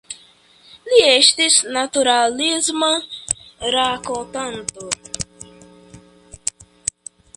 Li estis naturalisma rakontanto.